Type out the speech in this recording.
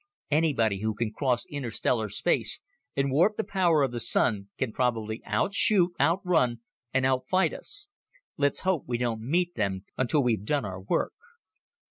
Anybody who can cross interstellar space and warp the power of the Sun, can probably outshoot, outrun, and outfight us. Let's hope we don't meet them until we've done our work."